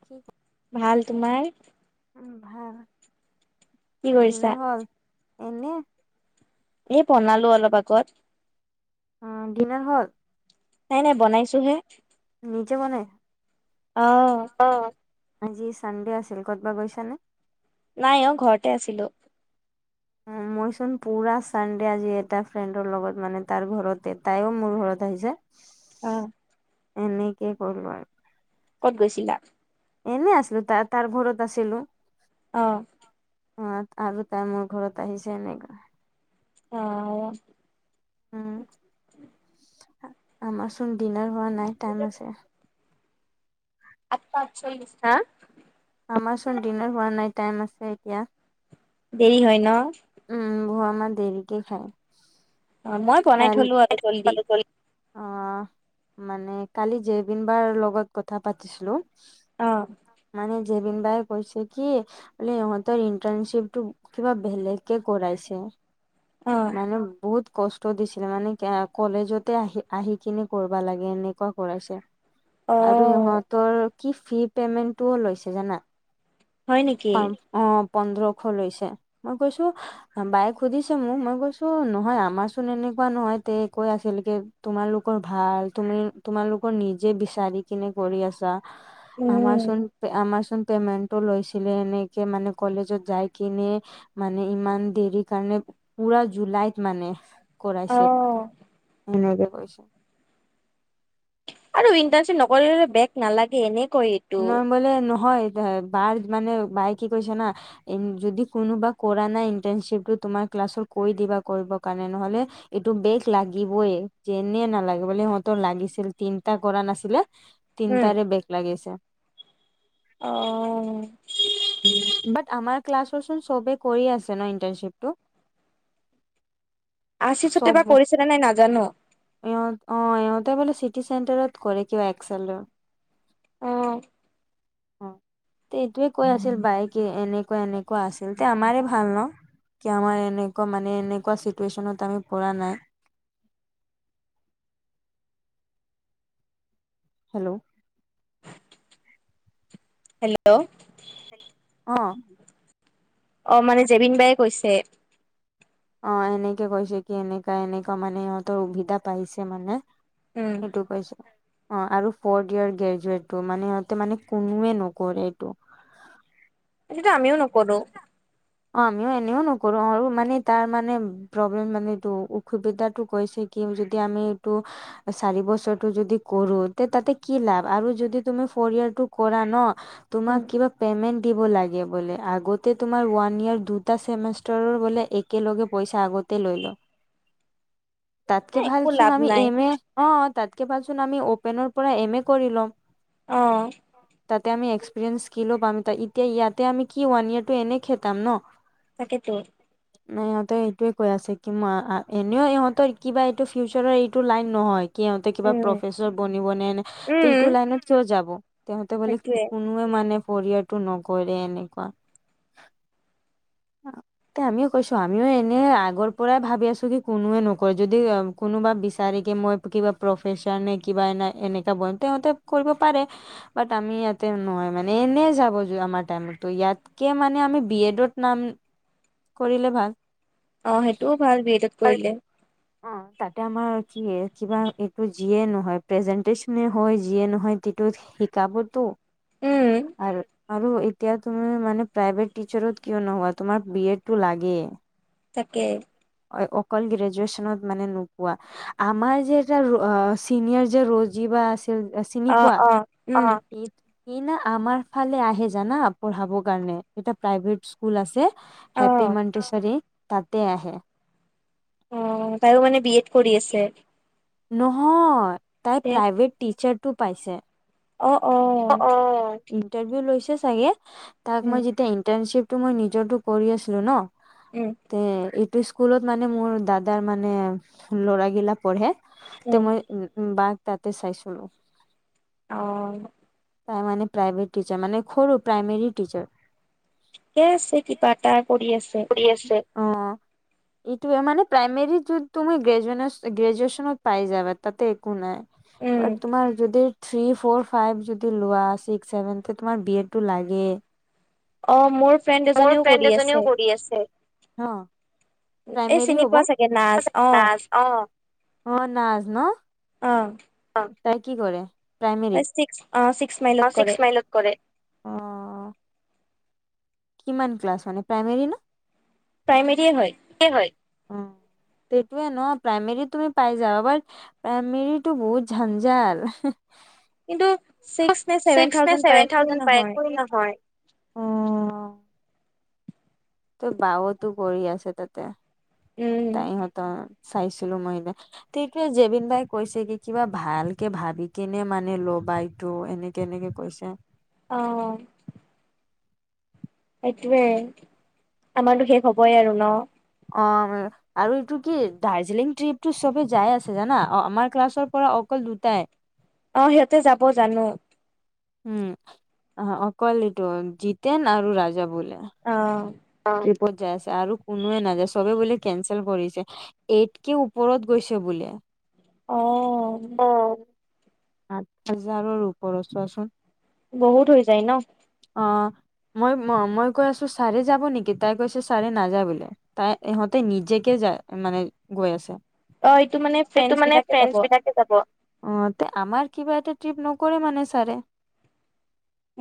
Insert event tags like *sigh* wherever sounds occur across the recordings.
*unintelligible* ভাল। তোমাৰ? উমঁ, ভাল, কি কৰিছা? দিলে হ'ল এনেই। এই বনালো অলপ আগত। অঁহ', ডিনাৰ হ'ল? নাই নাই বনাইছোহে নিজে বনাই, অ অহ',। আজি চানডে আছিল, ক'ৰবাত গৈছা নে? নাই অ ঘৰতে আছিলো। অঁ', মই চোন পুৰা চানডে আজি এটা ফ্ৰেণ্ডৰ লগত মানে তাৰ ঘৰতে তাইও মোৰ ঘৰত আহিছে। অহ। এনেকে কৰিলো আৰু। ক'ত গৈছিলা? এনেই আছিলো, তাৰ-তাৰ ঘৰত আছিলো। অহ। হোৱাত আৰু তাই মোৰ ঘৰত আহিছে এনেকুৱা। হয়, অহ',। উমঁ, আমাৰচোন ডিনাৰ হোৱ নাই টাইম আছে। আঠটা আঠচল্লিছ হাঁ? আমাৰচোন ডিনাৰ হোৱা নাই টাইম আছে এতিয়া। দেৰি হয় ন? উমঁ, অঁ', -আমাৰ দেৰিকে খায়। অঁ', মই বনাই থলো আৰু জল্দি। অঁহ', মানে কালি জেবিন বাৰ লগত কথা পাতিছিলোঁ। অহ। মানে জেবিন বায়ে কৈছে কি- বোলে ইহঁতৰ ইন্টাৰ্নশ্বিপ টো কিবা বেলেগে কৰাইছে। অ মানে বহুত- কষ্ট দিছিলে মানে কলেজতে আহি-আহি কিনি কৰিব লাগে এনেকুৱা কৰাইছে। অ আৰু ইহঁতৰ কি ফ্ৰী পেমেন্টটোও লৈছে জানা। হয় নেকি পাম অঁ', পোন্ধৰশ লৈছে। মই কৈছো- বায়েক সুধিছে মোক মই কৈছো নহয় আমাৰ চোন এনেকুৱা নহয় এইয়াতে কৈ আছিল যে- তোমালোকৰ ভাল, তুমি তোমালোকৰ নিজে বিচাৰি কিনে কৰি আছা। উম আমাৰচোন, আমাৰচোন পেমেন্টো লৈছি- লে। এনেকে মানে কলেজত যাই কিনি মানে ইমান দেৰি কাৰণে- পুৰা জুলাইত মানে অ কৰাইছিল সেনেকে কৈছিল। আৰু ইণ্টাৰচিপ নকৰিলে বেগ নালাগে এনেই কয়। নহয় মানে নহয়, বাই কি কৈছে মানে কি কৈছে জানা- এন যদি কোনোবা কৰা নাই ইন্টাৰ্নশ্বিপটো তোমাৰ ক্লাছৰ কৈ দিবা কৰিব কাৰণে নহ'লে- এইটো বেগ লাগিবই যেনে নালাগে বোলে সিহঁতৰ লাগিছিল তিনটা কৰা নাছিলে- উম তিনিটাৰে বেগ লাগিছে। অ বাট আমাৰ ক্লাছৰচোন চবে কৰি আছে ন ইন্টাৰ্নশ্বিপটো টো? আশিছ হতে বা কৰিছেনে নাই নাজানো। ইহত অ ইহঁতে বোলে চিটি চেণ্টাৰত কৰে কিবা এক্সেলৰ। অ অ এইটোয়ে কৈ আছিল বায়েকে এনেকুৱা এনেকুৱা আছিল তে আমাৰে ভাল ন? কি আমাৰ এনেকোৱা মানে এনেকোৱা চিটুৱেচনত আমি পৰা নাই। হেল্লো। হেল্লো অহ অ মানে জেবিন বায়ে কৈছে। অ এনেকে কৈছে কি এনেকা এনেকা মানে সিহঁতৰ সুবিধা পাইছে মানে। উম সেইটো কৈছে। অ আৰু ফৰ্ ইয়াৰ গ্ৰেজুৱেটটো মানে সিহঁতে মানে কোনোৱে নকৰে এইটো। সেইটো টো আমিও নকৰো। অ আমিও এনেও নকৰো আৰু মানে তাৰ মানে প্ৰব্লেম মানে এইটো অসুবিধাটো কৈছে। কিম যদি আমি এইটো চাৰি বছৰটো যদি কৰো তে তাতে কি লাভ আৰু যদি তুমি ফৰ ইয়াৰটো কৰা ন তোমাক কিবা পেমেন্ট দিৱ লাগে বোলে আগতে তোমাৰ ওৱান নিয়েৰ দুটা ছেমিষ্টাৰৰ বোলে একেলগে পইচা আগতে লৈ লয়। তাতকে এ একো ভালচোন লাভ আমি নাই এম এ অ তাতকে ভালচোন আমি অপেনৰ পৰা এম এ কৰি ল'ম। অ তাতে আমি এক্সপেৰিয়েন্ঞ্চ ক্সইল ও পাম এতিয়া ইয়াতে আমি কি ওৱান ইয়াৰ টু এনেই খেতাম ন। তাকেতো। নাই ইহঁতে এইটোৱে কৈ আছে কি এনেও ইহঁতৰ কিবা এইটো ফিউচাৰৰ এইটো লাইন নহয়। সিহঁতে কিবা উম প্ৰফেচৰ বনিব নে নে উম এইটো লাইনত কিয় যাব। তেহঁতে বোলে সেইটোয়ে কোনোৱে মানে ফৌৰয়েৰটো নকৰে এনেকুৱা। অ এ আমিও কৈছো আমিও এনে আগৰ পৰাই ভাবি আছো কি কোনোৱে নকই যদি কোনোবা বিচাৰ কি মই কিবা প্ৰফেশচৰনে কিবা এনা এনেকা বন তেহঁতে কৰিব পাৰে। বাত আমি ইয়াতে নহয় মানে এনে যাব আমাৰ টাইমতো ইয়াতকে মানে আমি বি এডত নাম কৰিলে ভাল। অ সেইটোও ভাল বি এডত কৰিলে। অ তাতে আমাৰ কি কিবা এইটো যিয়ে নহয় প্ৰেজেন্টেশচনে হয় যিয়ে নহয় তিটোত শিকাব টো উম আ আৰু এতিয়া তুমি মানে প্ৰাইভেট টিচাৰত কিয় নোহোৱা তোমাৰ বি এডটো লাগে। তাকে অ এ অকল গ্ৰেজুৱেশ্বনত মানে নোপোৱা। আমাৰ যে এটা ৰ আ চিনিয়ৰ যে ৰজি বা আছিল চিনি অ পোৱা? অ উম অহ *inaudible* সি না আমাৰ ফালে আহে জানা পঢ়াব কাৰণে এটা প্ৰাইভেট স্কুল আছে। অ হেপী মণ্টিশ্বৰী তাতে আহে। অঁ তাইও মানে বি এড কৰি আছে? নহয়, তাই প্ৰাইভেট টিচাৰ টো পাইছে। অঁ, অঁ। অঁ, ইন্টাৰভিউ লৈছে চাগে। তাক উম মই যেতিয়া ইন্টাৰ্ণশ্বিপ- তো মই নিজৰটো কৰি আছিলো ন। উম তে- স্কুলত মানে মোৰ দাদাৰ মানে ল'ৰাগিলা পঢ়েঁ। তে মই উম উম বাঘ তাতে চাইছিলোঁ। অঁ। তাই মানে প্ৰাইভেট টিচাৰ মানে সৰু প্ৰাইমেৰী টিচাৰ। এ আছে কিবা এটা কৰি আছে। কৰি আছে, অঁ। এইটো এ মানে প্ৰাইমেৰী যত তুমি গ্ৰেজুুৱেনছ গ্ৰেজুৱেছনত পাই যাবা তাতে একো নাই। উম বাত তোমাৰ যদি- থ্ৰী, ফ'ৰ, ফাইভ যদি লোৱা ছিক্স, ছেভেন তে তোমাৰ বি এডটো লাগে। অঁ মোৰ ফ্ৰেণ্ড এজনীও কৰি আছে। *inaudible* হ এই প্ৰাইমেৰী চিনি হ'ব, পোৱা চাগে নাজ আচ্ছা অ নাজ অঁ, নাজ ন। অঁ। অঁ, তাই কি কৰে? প্ৰাইমেৰী তাই ছিক্স অঁ ছিক্স অ মাইলত ছিক্স কৰে। মাইলত কৰে। অ কিমান ক্লাছ মানে প্ৰাইমেৰী ন? প্ৰাইমেৰীয়ে হয়। সেইটো হয়, এইটোৱে ন প্ৰাইমেৰীত তুমি পাই যাবা বাত- প্ৰাইমেৰীটো বহুত ঝঞ্জাল। কিন্তু ছিক্স নে ছেভেন ছিক্স নে থাউজেণ্ড পায় ছেভেন একোৱে থাউজেণ্ড পায়, নহয়। একোৱে নহয়। অ *inaudible* তোৰ বা হঁতো কৰি আছে তাতে, উম, তাই হঁতৰ চাইছিলো মই দিনা। তেটোৱে জেবিন বাই কৈছে কি কিবা ভাল কে ভাবি কেনে মানে ল'বা এইটো। এনে- কেনেকে কৈছা? অঁ। সেইটোয়ে, আমাৰতো শেষ হবই আৰু ন। অঁ। আৰু এইটো কি দাৰ্জিলিং ট্ৰিপটো চবে যাই আছে জানা, আমাৰ ক্লাছৰ পৰা অকল দুটাই। অঁ, সিহঁতে যাব জানো। উম, অকল এইটো জিতেন আৰু ৰাজা বোলে। অঁ। অঁ, ট্ৰিপত যায় আছে আৰু কোনোৱে নাযায়, চবে বুলি কেঞ্চেল কৰিছে। এইত কে ওপৰত গৈছে বোলে। অঁ। আঠ হাজাৰৰ ওপৰত চোৱাচোন। বহুত হৈ যায় ন। অঁ, মই মই কৈ আছো চাৰে- যাব নেকি? তাই কৈছে ছাৰে নাযায় বোলে। তাই ইহঁতে নিজেকে যায় মানে গৈ আছে। অ', এইটো মানে সেইটো ফ্ৰেণ্ডচ মানে বিলাকে যাব। ফ্ৰেণ্ডচ বিলাকে- যাব, অঁ তে আমাৰ কিবা এটা ট্ৰিপ নকৰে মানে ছাৰে।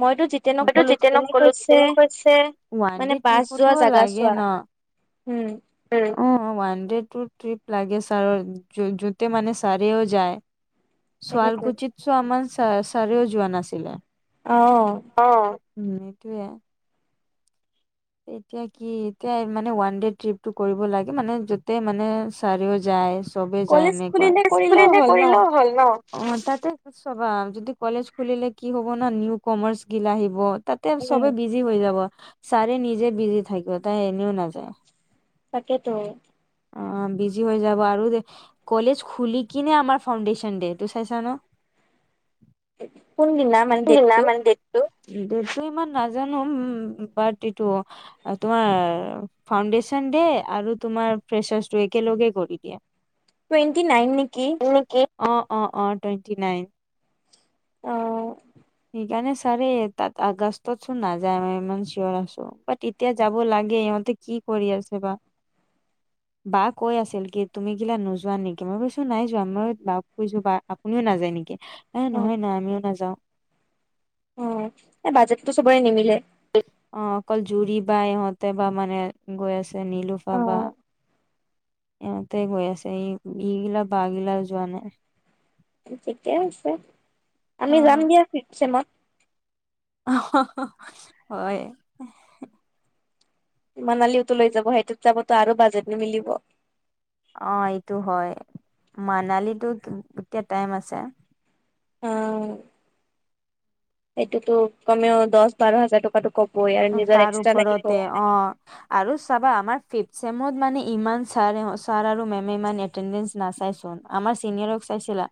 মইতো জিতেনক মইতো কলো জিতেনক জিতেনে কলো কৈছে জিতেনে কৈছে ওৱান ডে মানে- বাছ ট্ৰিপতো যোৱা জেগা লাগে চোৱা ন ওম। ওৱান ডে টু টিপ লাগে ছাৰৰ জ জুতে মানে চাৰিও যায়। তাকেতো ছোৱালকুচিত চো আমমান ছা ছাৰেও যোৱা নাছিলে। অঁ! অঁ উমঁ এইটোয়ে। এতিয়া কি এতিয়া মানে ওৱান দেে ট্ৰিপ টো কৰিব লাগে মানে য'তেই মানে চাৰিও যাই। চবে যায় কলেজ এনেকুৱা খুলিলে সেচ কৰিলেও বুলিও হ'ল ন? কৰিলেও হ'ল ন। অঁ তাতে চবা যদি কলেজ খুলিলে কি হ'ব ন নিউ কমাৰ্চ গিল আহিব। তাতে উম, চবে বিজি হৈ যাব ছাৰে নিজে বিজি থাকিব তাই এনেও নাযায়। তাকেতো। অঁ বিজি হৈ যাব আৰু কলেজ খুলি কিনে আমাৰ ফাউণ্ডেশচন দে ত চাইছা ন। কোন দি নাম। কোনদিনা মানে দেটটো। দেটটো ইমান নাজানো বাদেটো। তোমাৰ ফাউণ্ডেশ্যন ডে আৰু তোমাৰ ফ্ৰেছাৰছ একেলগে কৰি দিয়া। টুৱেণ্টি নাইন নেকি? অঁ অঁ অঁ টুৱেণ্টি নাইন। অঁ! সেইকাৰণে ছাৰে তাত আগষ্টত চোন নাযায় ম ইমান চিয়ৰ আছো ব তেতিয়া যাব লাগে ইহঁতে কি কৰি আছে বা। *inaudible* বা কৈ আছিল কি তুমি কিলা নোযোৱা নেকি মই কৈছো নাই যোৱা মই বা কৈছো বা আপুনিও নাযায় নেকি? এ অ', নহয় না আমিও নাযাওঁ। অঁ এই বাজেটটো চবৰে নিমিলে। অঁ অকল জুৰি বাই ইহঁতে বা মানে গৈ আছে নলোফা বা। অ', ইিহঁতে গৈ আছে এই এইগিলা বহাগিলা যোৱা নাই। ঠিকে আছে আমি যাম দিয়া ফিপ চেমত। অঁ হ হ হয়ঁ! মানালীটো লৈ যাব সেইটোত যাব আৰু বাজেট নিমিলিব। অঁ এইটো হয় মানালীতো এতিয়া টাইম আছে। অঁ এইটোতো কমেও দহ বাৰ হাজাৰ টকাটো কম। তাৰ ওপৰতে অঁ। আৰু চাবা আমাৰ ফিফ চেমত মানে ইমান ছাৰে ছাৰ আৰু মেমে ইমান- এটেনটেচ নাচাই চোন আমাৰ চিনিয়ৰক চাইছিলা?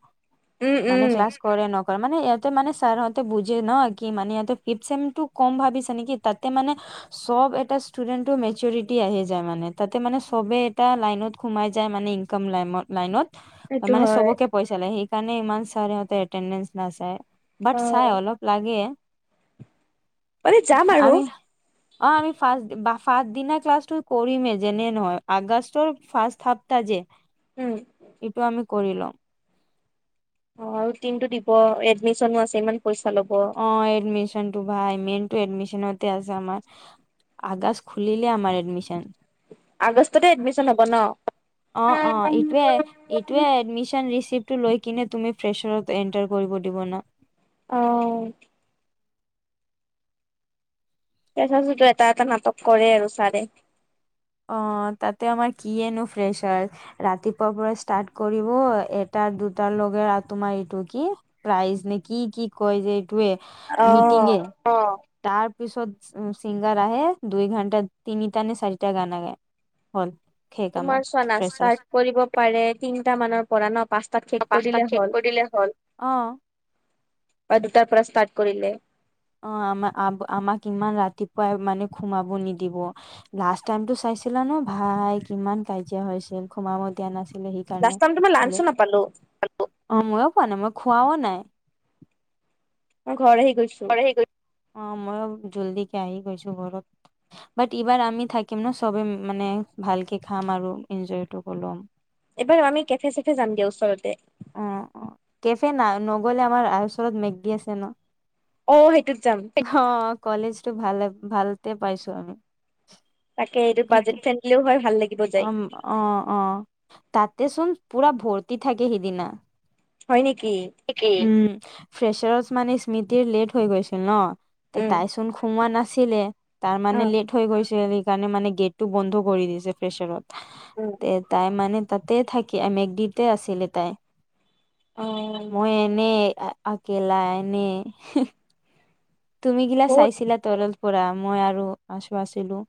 উমঁ উমঁ! মানে ক্লাছ কৰে নকৰে মানে ইহতে মানে ছাৰহঁতে বুজে ন কি মানে ইহতে ফিফ চছেম টো কম ভাবিছে নেকি? তাতে মানে অচ চব এটা ষ্টুডেন্টৰ মেচৰিটি আহি যায় মানে তাতে মানে সবে এটা লাইনত সোমাই যায় মানে- ইকম লামত লাইনত- সেইটো মানে হয় সবকে পইচা লাগে সেইকাৰণে ইমান চাৰসতে এটেন্টচ নাচাই। বাট চাই অ', অলপ লাগে। মানে যাম আৰু আমি- অঁ আমি' ফাৰ্ষ ফাৰ্ষট দিনা ক্লাছটো কৰিমে যেনে নহয় আগষ্টৰ ফাৰ্ষ থাত- তা যে উম। এইটো আমি কৰিলম। অঁ আৰু টিম টো দিব এডমিশনো আছে ইমান পইচা ল'ব। অ' এডমিশ্যন টো ভাই মেইন টো এডমিশ্যনতে আছে আমাৰ ই ই আগষ্ট খুলিলে আমাৰ এডমিশ্যন। আগষ্টতে এডমিশ্যন হ'ব ন। অ অ, ইটোৱে ইটোৱে এডমিশ্যন ৰিচিপ্ট এইটো লৈ কিনে তুমি ফ্ৰেচাৰত এন্টাৰ কৰিব দিব না? অ অ অ অ ও। ফ্ৰেচাৰচতে এটা-এটা নাটক কৰে আৰু চাৰে- অ' অ অ, তাতে আমাৰ কি এনো ফ্ৰেছাৰ ৰাতিপুৱাৰ পৰা ষ্টাৰ্ট কৰিব এটাৰ, দুটাৰ লগে আৰু তোমাৰ এইটো কি প্ৰাইজ নে কি কি কয় যে এইটোৱে মিটিং এ অ অ অ, তাৰ পিছত সি উম চিংগাৰ আহে দুই ঘণ্টা তিনিটানে চাৰি এতিয়া গান না গায় হ'ল। আমাৰ তোমাৰ চোৱা নাচ ফ্ৰেছাৰ্চ ষ্টাৰ্ট কৰিব পাৰে তিনটা মানৰ পৰা ন পাঁচ অ পাঁচটাত শেষ কৰি দিলে হল, অ অ। বা দুটাৰ পৰা ষ্টাৰ্ট কৰিলে। অ' আমা আব আমাক ইমান ৰাতিপুৱাই মানে সোমাব নিদিব আহ আহ। লাষ্ট টাইমটোত চাইছিলা ন ভাই কিমান কাজিয়া হৈছিল সোমাব দিয়া নাছিলে। তাৰ লাষ্ট নাম টাইম তোমাৰ লাঞ্চো হেল্ল', নাপালো হেল্ল' অ মইয়ো পোৱা নাই মই খোৱাও নাই। মই ঘৰ আহি গৈছো। ঠিকই অ' মইয়ো জল্দিকে আহি গৈছো ঘৰত। বাট এইবাৰ আমি থাকিম ন চবেই ম ম মানে ভালকে খাম আৰু এনজয়টো কৰলম। এইবাৰ আমি কেফে-চেফে যাম দিয়া ওচৰতে। অ', অ' কেফে না নগলে আমাৰ ওচৰত মেগী আছে ন। অ', অ সেইটোত যাম হ অ' অ অ, কলেজ টো ভাল ভালতে পাইছো আমি। তাকে এইটো বাজেট ফ্ৰেঙ্কলিও হয় ভাল লাগে। অ উ'ম অ' অ' অ অ তাতেচোন পুৰা ভৰ্তি থাকে সিদিনা। হয় নেকি? ঠিকি উ'ম উ উ এ এ এ ফা ফ্ৰেচাৰত মানে স্মৃতিৰ লেট হৈ গৈছিল ন? তে উম তাইচোন সোমোৱা নাছিলে? তাৰ অ মানে লেট হৈ গৈছিল সেইকাৰণে মানে গেটটো বন্ধ কৰি দিছে ফ্ৰেছাৰত। হে হে হে উম আহ তে তাই মানে তাতে থাকি আমে দিতে আছিলে তাই অ মই এনেই এ আ অকেলা এনে ই হি তুমি গিলা বহুত চাইছিলা তৰলত পৰা মই আৰু আছো আছিলো।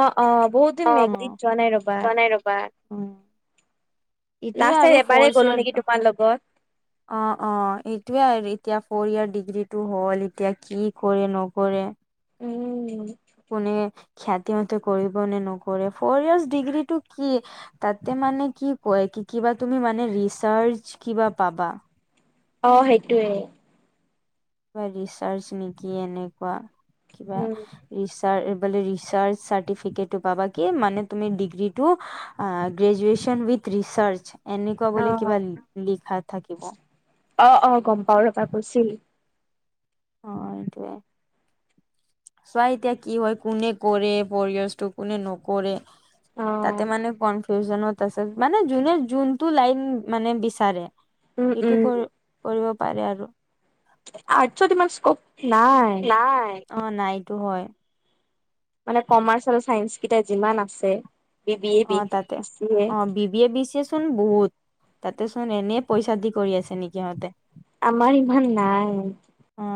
অ' অ' বহুত দিন মেঘদিত যোৱা নাই ৰবা। এ ৰববাৰ উম উ উ ইটো লাষ্ট টাইম আৰু এবাৰেই ফৰস গ'লো ইয়াৰ নেকি ব তোমাৰ লগত অঁ' অ অ অ, এইটোৱে আৰ এতিয়া ফ'ৰ ইয়াৰ ডিগ্ৰী টো হ'ল এতিয়া কি কৰে নকৰে? উম উ উ উ উ। কোনে খ্যাতি মতে কৰিব নে নকৰে ফ'ৰ ইয়াৰছ ডিগ্ৰীটো কি হে হে? হা তাতে মানে কি কয় কি কিবা তুমি মানে ৰিচাৰ্ছ কিবা পাবা? অ সেইটোৱে। কিবা ৰিচাৰ্ছ নে কি এনেকুৱা কিবা হা উম হা। ৰিচাৰ বোলে ৰিচাৰ্ছ চাৰ্টিফিকেট পাবা কি মানে তুমি ডিগ্ৰী টো হা হা। হা আ আ আ, গ্ৰেজুৱেচন উইথ ৰিচাৰ্ছ এনেকুৱা অ বুলি কিবা লি লিখা থাকিব। অ অ গম পাও ৰবা কৈছিল। অ অ এইটোয়ে। চোৱা এতিয়া কি হয় কোনে কৰে পৰিয়েচটো কোনে নকৰে। অ তাতে মানে কন- ফিউজনত আছে মানে যোনে যোনটো লাইন মানে বিচাৰে, উম এইটো উম কৰি কৰিব পাৰে আৰু আৰ্টছত ইমান ইস্কুপ নাই। নাই অ', নাইটো হয়। মানে কমাৰ্চ আৰু ছাইঞ্চকেইটা যিমান আছে। বি বি এ অ বি তাতে, চি এ অ বি বি এ বি চিছ চোন বহুত, তাতে চোন এনেই পইচা দি কৰি আছে নিকি হঁতে। আমাৰ সিমান নাই। অ